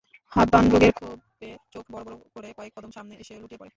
হাব্বান রাগে-ক্ষোভে চোখ বড় বড় করে কয়েক কদম সামনে এসে লুটিয়ে পড়ে।